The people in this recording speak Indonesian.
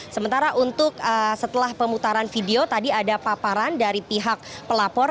sementara untuk setelah pemutaran video tadi ada paparan dari pihak pelapor